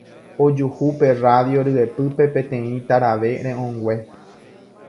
Ojuhu pe radio ryepýpe peteĩ tarave re'õngue.